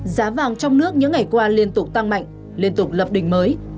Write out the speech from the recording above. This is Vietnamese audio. giá vàng trong nước những ngày qua liên tục tăng mạnh liên tục lập đỉnh mới